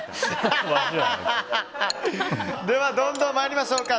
ではどんどん参りましょうか。